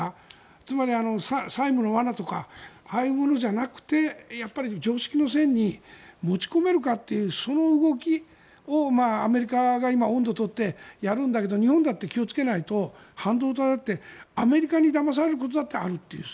つまり、債務の罠とかああいうものじゃなくてやっぱり常識の線に持ち込めるかというその動きをアメリカが今音頭を取ってやるんだけど日本だって気をつけないと半導体だってアメリカにだまされることだってあるっていう。